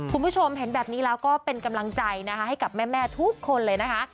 คุณผู้ชมเห็นแบบนี้แล้วก็เป็นกำลังใจนะคะให้กับแม่ทุกคนเลยนะคะ